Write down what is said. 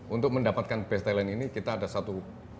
untuk mendapatkan best talent ini kita ada satu